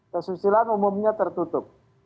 kesusilaan umumnya tertutup